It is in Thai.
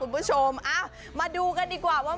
คุณผู้ชมมาดูกันดีกว่าว่า